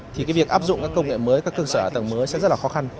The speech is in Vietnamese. thì cái việc áp dụng các công nghệ mới các cơ sở hạ tầng mới sẽ rất là khó khăn